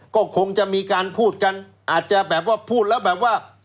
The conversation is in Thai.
ก็คงจะมีการพูดกันอาจจะแบบว่าพูดแล้วแบบว่า